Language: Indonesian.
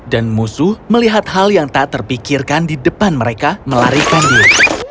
dan musuh melihat hal yang tak terpikirkan di depan mereka melarikan diri